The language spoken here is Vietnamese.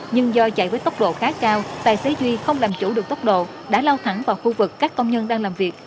nhưng do chạy với tốc độ khá cao tài xế duy không làm chủ được tốc độ đã lao thẳng vào khu vực các công nhân đang làm việc